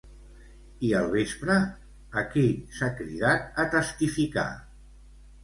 I al vespre a qui s'ha cridat a testificar?